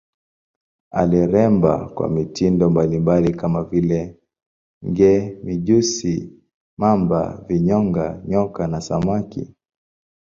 Aliremba kwa mitindo mbalimbali kama vile nge, mijusi, mamba, vinyonga, nyoka na samaki.